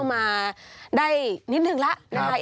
๙มาได้นิดหนึ่งแล้ว